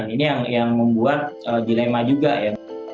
ini yang membuat dilema juga ya